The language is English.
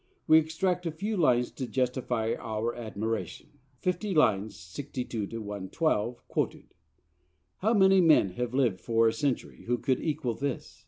We extract a few lines to justify our admiration (50 lines, 62 112, quoted). How many men have lived for a century who could equal this?'